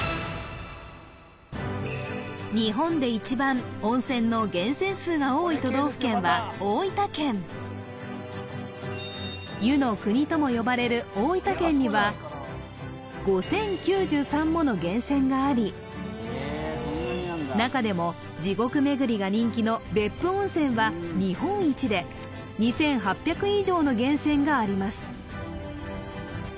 日本で一番温泉の源泉数が多い都道府県は大分県湯の国とも呼ばれる大分県には５０９３もの源泉があり中でも地獄めぐりが人気の別府温泉は日本一で２８００以上の源泉があります